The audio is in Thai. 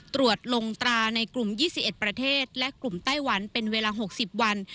ตรวจหลงตราในกลุ่มยี่สิเอ็ดประเทศและกลุ่มไต้หวันเป็นเวลาหกสิบวัน